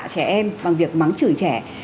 trẻ em bằng việc mắng chửi trẻ